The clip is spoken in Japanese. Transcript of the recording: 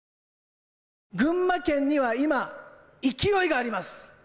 群馬県には今、勢いがあります。